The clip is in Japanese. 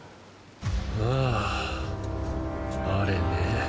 あああれね。